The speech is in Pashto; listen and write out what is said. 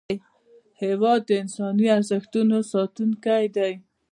هېواد د انساني ارزښتونو ساتونکی دی.